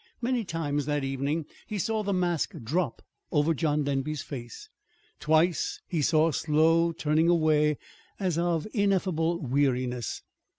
Many times that evening he saw the mask drop over John Denby's face. Twice he saw a slow turning away as of ineffable weariness.